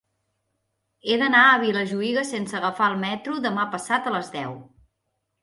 He d'anar a Vilajuïga sense agafar el metro demà passat a les deu.